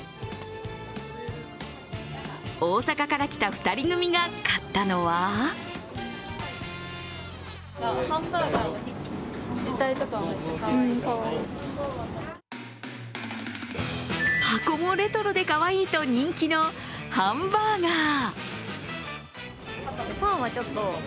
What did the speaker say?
大阪から来た２人組が買ったのは箱もレトロでかわいいと人気のハンバーガー。